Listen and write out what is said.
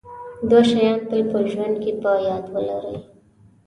دوه شیان تل په ژوند کې په یاد ولرئ.